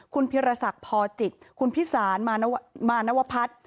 คุณพิรษักพอจิตคุณพิสารมานวพัฒน์